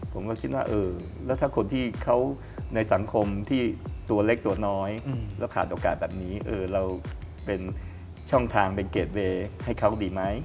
ผมก็คิดว่าเออแล้วถ้าคนที่เขาในสังคมที่ตัวเล็กตัวน้อยแล้วขาดโอกาสแบบนี้เราเป็นช่องทางเป็นเกรดเวย์ให้เขาดีไหม